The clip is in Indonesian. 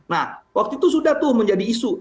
nah waktu itu sudah tuh menjadi isu